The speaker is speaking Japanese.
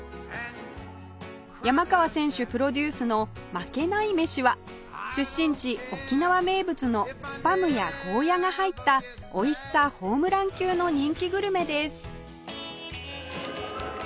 山川選手プロデュースのまけない飯は出身地沖縄名物のスパムやゴーヤが入った美味しさホームラン級の人気グルメです